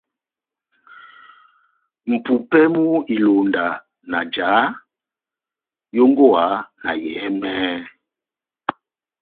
Mʼpumpɛ mú ilonda na jaha yongowa na yɛhɛmɛhɛ,